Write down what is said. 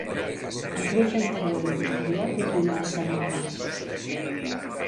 El gruix anterior i posterior disminueix de dalt a baix.